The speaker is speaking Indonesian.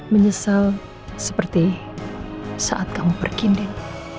menyesal seperti saat kamu berkinding